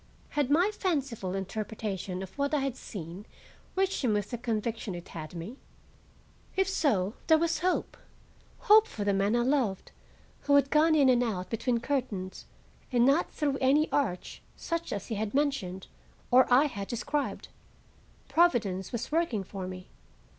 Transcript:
Had my fanciful interpretation of what I had seen reached him with the conviction it had me? If so, there was hope,—hope for the man I loved, who had gone in and out between curtains, and not through any arch such as he had mentioned or I had described. Providence was working for me.